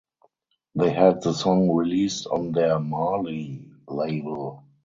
They had the song released on their Marlee Label.